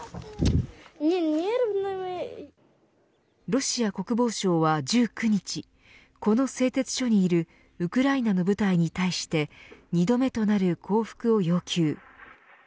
ロシア国防省は１９日この製鉄所にいるウクライナの部隊に対して２度目となる降伏を要求。